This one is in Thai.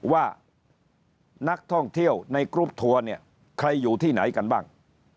ว่านักท่องเที่ยวในกรุ๊ปทัวร์เนี่ยใครอยู่ที่ไหนกันบ้าง